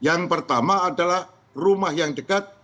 yang pertama adalah rumah yang dekat